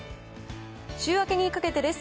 週明けにかけてです。